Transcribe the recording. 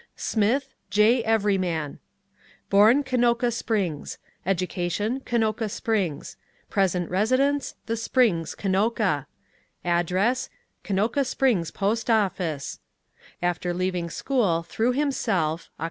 Smith, J. Everyman: born Kenoka Springs; educ. Kenoka Springs; present residence, The Springs, Kenoka; address, Kenoka Springs Post Office; after leaving school threw himself (Oct.